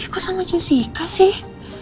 kok sama cinsika sih